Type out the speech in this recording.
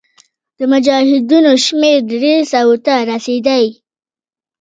د مجاهدینو شمېر دریو سوو ته رسېدی.